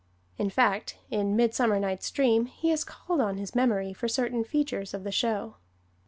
In fact, in "Midsummer Night's Dream" he has called on his memory for certain features of the show.